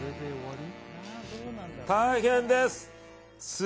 大変です。